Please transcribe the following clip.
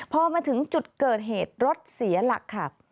พอมาถึงจุดเกิดเหตุรถเสียหลักค่ะ